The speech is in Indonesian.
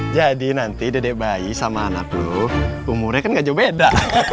jadi nanti dede bayi sama anak lo umurnya kan gak jauh beda